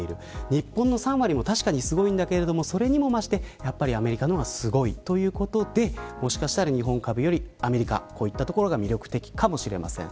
日本の３割も確かにすごいけどそれにもまして、アメリカの方がすごいということでもしかしたら日本株よりアメリカこういったところが魅力的かもしれません。